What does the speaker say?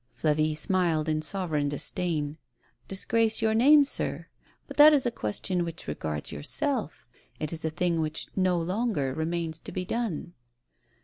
riavie smiled in sovereign disdain. " Disgrace your name, sir? But that is a question which regards yourself. It is a thing which no longer remains to be done."